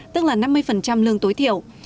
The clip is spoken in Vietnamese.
tức là năm mươi lương tối thiểu